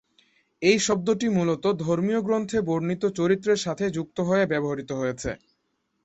এই শব্দটি মূলত ধর্মীয় গ্রন্থে বর্ণিত চরিত্রের সাথে যুক্ত হয়ে ব্যবহৃত হয়েছে।